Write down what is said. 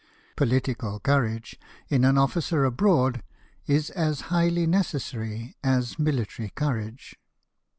Political courage in an officer abroad is as highly necessary as military courage."